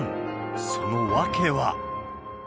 その訳は。